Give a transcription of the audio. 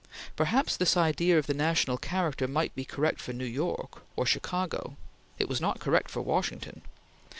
Perhaps this idea of the national character might be correct for New York or Chicago; it was not correct for Washington.